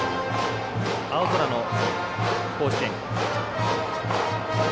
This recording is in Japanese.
青空の甲子園。